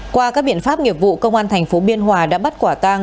qua các biện pháp nghiệp vụ công an tp biên hòa đã bắt quả tang